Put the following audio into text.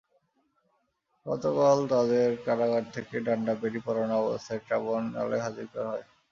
গতকাল তাঁদের কারাগার থেকে ডান্ডাবেড়ি পরানো অবস্থায় ট্রাইব্যুনালে হাজির করা হয়।